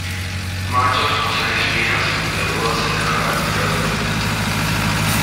Machos poseen espinas puntiagudas en la cara anterior del húmero.